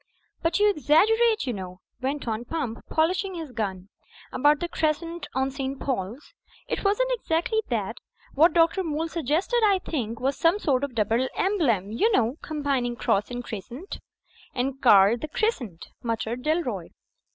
"But you exaggerate, you know," went on Pump, polishing his gun, "about the crescent on St. Paul's. It wasn't exactly that. What Dr. Moole suggested, I think, was some sort of double emblem, you know, ^combining cross and crescent." "And carled the Crescent," muttered Dalroy.